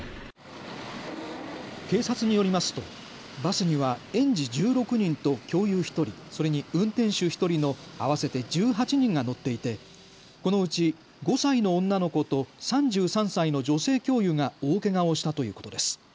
警察によりますとバスには園児１６人と教諭１人、それに運転手１人の合わせて１８人が乗っていてこのうち５歳の女の子と３３歳の女性教諭が大けがをしたということです。